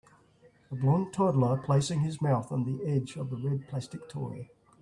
A blond toddler placing his mouth on the edge of a red plastic toy.